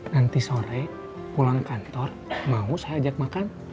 nanti sore pulang kantor mau saya ajak makan